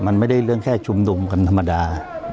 มันไม่ได้เรื่องแค่ชุมนุมกันธรรมดา